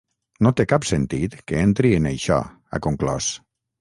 No té cap sentit que entri en això, ha conclòs.